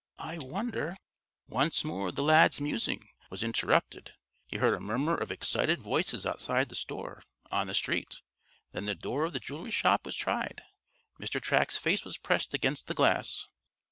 I wonder " Once more the lad's musing was interrupted. He heard a murmur of excited voices outside the store, on the street. Then the door of the jewelry shop was tried. Mr. Track's face was pressed against the glass.